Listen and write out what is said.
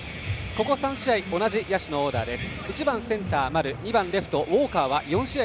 ここ３試合同じ野手のオーダーです。